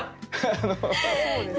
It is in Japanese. そうですね